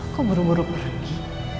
kok buru buru pergi